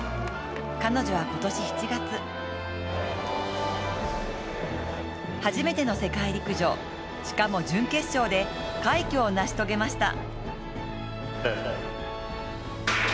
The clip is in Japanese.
彼女は今年７月、初めての世界陸上、しかも準決勝で快挙を成し遂げました。